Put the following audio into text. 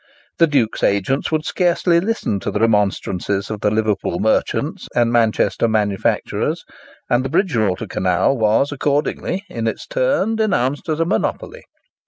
The Duke's agents would scarcely listen to the remonstrances of the Liverpool merchants and Manchester manufacturers, and the Bridgewater Canal was accordingly, in its turn, denounced as a monopoly.